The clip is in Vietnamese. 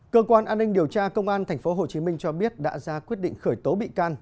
cơ quan an ninh điều tra công an tp hcm cho biết đã ra quyết định khởi tố bị can